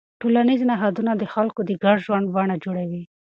ټولنیز نهادونه د خلکو د ګډ ژوند بڼه جوړوي.